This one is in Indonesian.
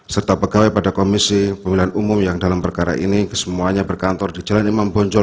serta pegawai pada komisi pemilihan umum yang dalam perkara ini kesemuanya berkantor di jalan imam bonjol